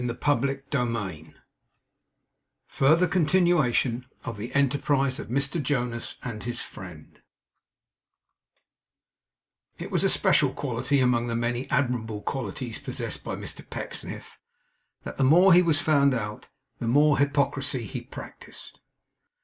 CHAPTER FORTY FOUR FURTHER CONTINUATION OF THE ENTERPRISE OF MR JONAS AND HIS FRIEND It was a special quality, among the many admirable qualities possessed by Mr Pecksniff, that the more he was found out, the more hypocrisy he practised.